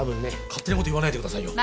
勝手なこと言わないでくださいよ。